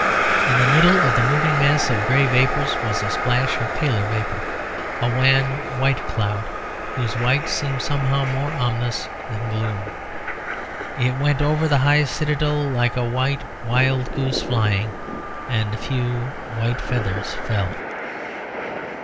In the middle of the moving mass of grey vapours was a splash of paler vapour; a wan white cloud whose white seemed somehow more ominous than gloom. It went over the high citadel like a white wild goose flying; and a few white feathers fell.